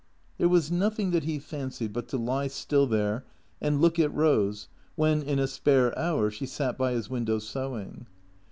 There was nothing that he fancied but to lie still there and look at Eose when, in a spare hour, she sat by his window, sewing.